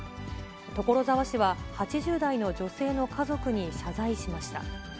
所沢市は、８０代の女性の家族に謝罪しました。